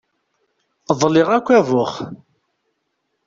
Ḍliɣ akk abux.